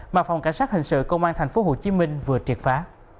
mà phòng cảnh sát hình sự công an tp hcm vừa triệt phá